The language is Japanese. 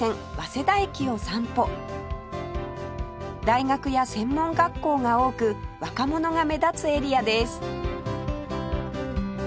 大学や専門学校が多く若者が目立つエリアです